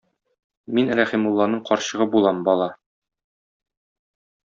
Мин Рәхимулланың карчыгы булам, бала.